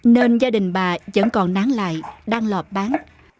nên gia đình bà vẫn còn nán lại đang lọt bán